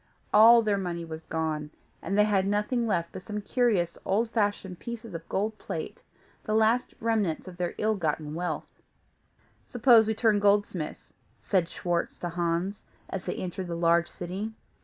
All their money was gone, and they had nothing left but some curious, old fashioned pieces of gold plate, the last remnants of their ill gotten wealth. "Suppose we turn goldsmiths?" said Schwartz to Hans, as they entered the large city.